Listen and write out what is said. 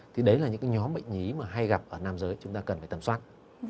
thì đấy là những nhóm bệnh lý mà hay gặp ở nam giới chúng ta cần phải tầm soát